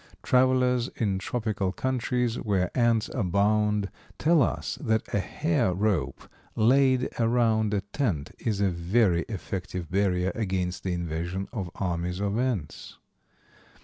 Travellers in tropical countries, where ants abound, tell us that a hair rope laid around a tent is a very effective barrier against the invasion of armies of ants.